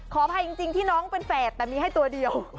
ขออภัยจริงที่น้องเป็นแฝดแต่มีให้ตัวเดียว